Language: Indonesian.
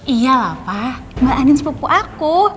iya lah pak mbak andin sepupu aku